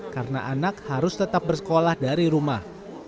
karena anak harus tetap bersekolah dari rumah